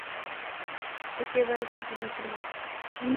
একেবারে ছোটোলোকের বাচ্চা।